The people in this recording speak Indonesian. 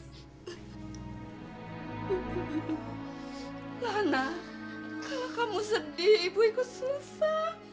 anak kalau kamu sedih ibu ikut susah